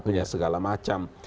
punya segala macam